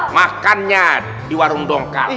makannya di warung dongkal